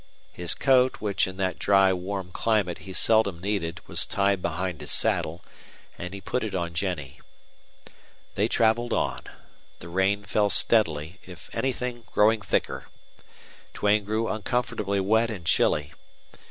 His coat, which in that dry warm climate he seldom needed, was tied behind his saddle, and he put it on Jennie. They traveled on. The rain fell steadily; if anything, growing thicker. Duane grew uncomfortably wet and chilly.